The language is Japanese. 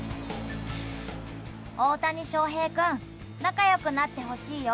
大谷翔平君仲良くなってほしいよ。